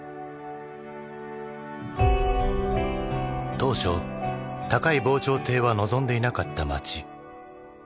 当初高い防潮堤は望んでいなかった町。